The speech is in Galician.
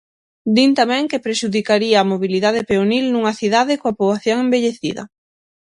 Din tamén que prexudicaría a mobilidade peonil nunha cidade coa poboación envellecida.